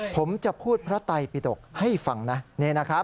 ผมจะพูดพระไตปิดกให้ฟังนะ